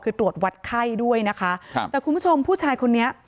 คือตรวจวัดไข้ด้วยนะคะครับแต่คุณผู้ชมผู้ชายคนนี้